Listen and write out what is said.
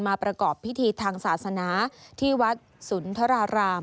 ประกอบพิธีทางศาสนาที่วัดสุนทราราม